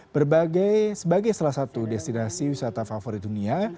berbagai sebagai salah satu destinasi wisata favorit dunia